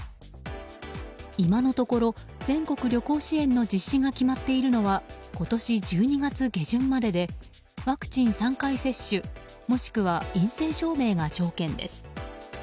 今のところ、全国旅行支援の実施が決まっているのは今年１２月下旬まででワクチン３回接種もしくは陰性証明が条件です。